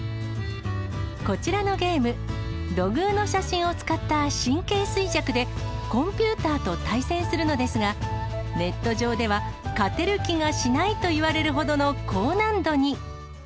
こちらのゲーム、土偶の写真を使った神経衰弱で、コンピューターと対戦するのですが、ネット上では勝てる気がしないと言われるほどの高難度に。